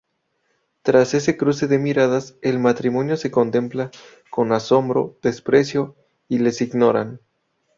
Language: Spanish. Tras ese cruce de miradas, el matrimonio se contempla con "asombro-desprecio" y les ignoran.